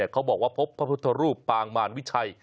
เขาบอกว่าพบพระพุทธรูปปางมารวิชัย